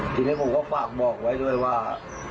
ทีนี้ผมก็ฝากบอกไว้ด้วยว่า